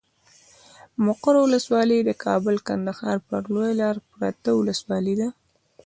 مقر ولسوالي د کابل کندهار پر لويه لاره پرته ولسوالي ده.